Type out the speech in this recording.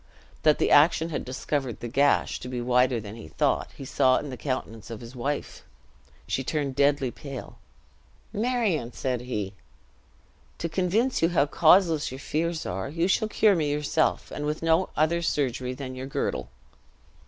That the action had discovered the gash to be wider than he thought, he saw in the countenance of his wife! She turned deadly pale. "Marion," said he, "to convince you how causeless your fears are, you shall cure me yourself; and with no other surgery than your girdle!"